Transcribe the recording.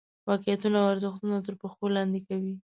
واقعیتونه او ارزښتونه تر پښو لاندې کوي.